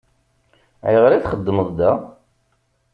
Ayɣer i txeddmeḍ da?